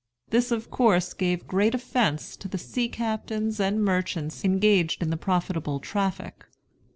This of course gave great offence to the sea captains and merchants engaged in the profitable traffic.